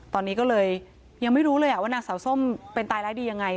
ตอนนี้ก็เลยยังไม่รู้เลยว่านางสาวส้มเป็นตายร้ายดียังไง